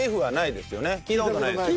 聞いた事ないですよね。